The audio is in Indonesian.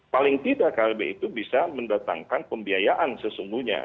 paling tidak klb itu bisa mendatangkan pembiayaan sesungguhnya